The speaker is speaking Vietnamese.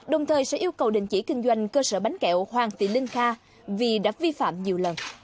đồng thời sẽ yêu cầu đình chỉ kinh doanh cơ sở bánh kẹo hoàng tị ninh kha vì đã vi phạm nhiều lần